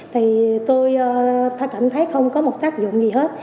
thì tôi cảm thấy không có một tác dụng gì hết